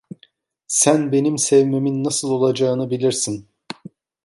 Sen benim sevmemin nasıl olacağını bilirsin…